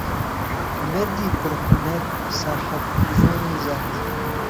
مەردی پر حونەر ساحێب زۆر و زات